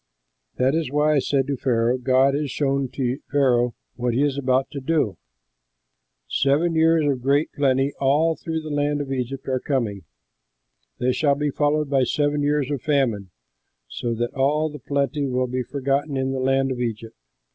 That is why I said to Pharaoh, 'God has shown to Pharaoh what he is about to do.' Seven years of great plenty all through the land of Egypt are coming. They shall be followed by seven years of famine, so that all the plenty will be forgotten in the land of Egypt.